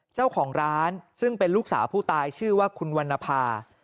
เจ้าของร้านซึ่งเป็นลูกสาวผู้ตายชื่อว่าคุณวรรณภา